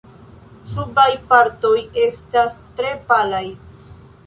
Subaj partoj estas tre palaj.